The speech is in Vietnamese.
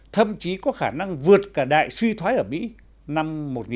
thậm chí có khả năng vượt cả đại suy thoái ở mỹ năm một nghìn chín trăm bảy mươi